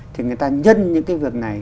thì người ta nhân những cái việc này